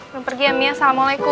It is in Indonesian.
belum pergi ya mia assalamualaikum